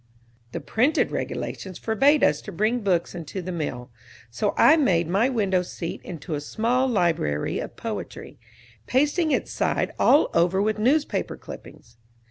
The printed regulations forbade us to bring books into the mill, so I made my window seat into a small library of poetry, pasting its side all over with newspaper clippings.